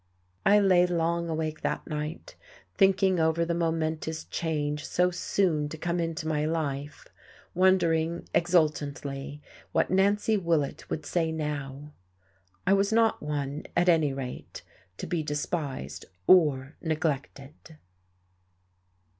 I lay long awake that night thinking over the momentous change so soon to come into my life, wondering exultantly what Nancy Willett would say now. I was not one, at any rate, to be despised or neglected.